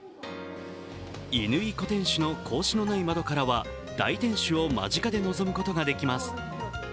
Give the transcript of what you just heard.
乾小天守の格子のない窓からは大天守を間近で臨むことができます。